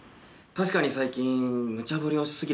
確かに最近。